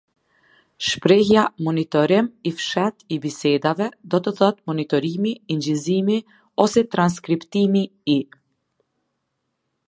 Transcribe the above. Shprehja “monitorim i fshehtë i bisedave” do të thotë monitorimi, incizimi ose transkriptimi i.